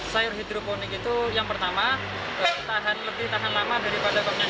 sayur hidroponik itu yang pertama tahan lebih tahan lama daripada koneksi